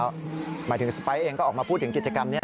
หมายถึงสไปร์เองก็ออกมาพูดถึงกิจกรรมนี้